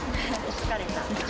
疲れたん？